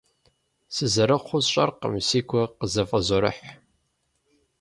Сызэрыхъур сщӀэркъым, си гур къызэфӀозэрыхь.